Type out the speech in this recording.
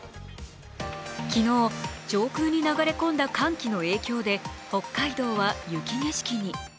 昨日、上空に流れ込んだ寒気の影響で北海道は雪景色に。